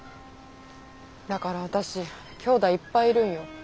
だから私きょうだいいっぱいいるんよ。